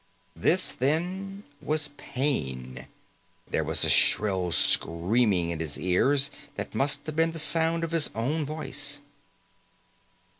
This, then, was pain. There was a shrill screaming in his ears that must have been the sound of his own voice.